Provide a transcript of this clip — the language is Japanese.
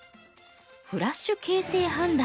フラッシュ形勢判断。